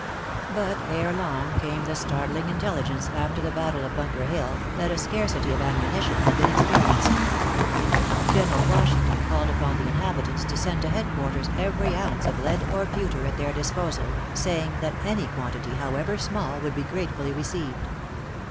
But ere long came the startling intelligence, after the battle of Bunker Hill, that a scarcity of ammunition had been experienced. General Washington called upon the inhabitants to send to head quarters every ounce of lead or pewter at their disposal, saying that any quantity, however small, would be gratefully received.